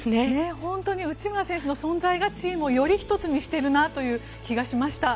本当に内村選手の存在がチームをより１つにしているなという気がしました。